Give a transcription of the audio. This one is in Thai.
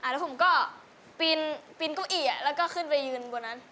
แล้วผมก็ปีนเก้าอี้แล้วก็ขึ้นไปยืนบนนั้น